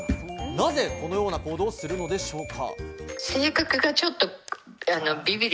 なぜこのような行動をするのでしょうか？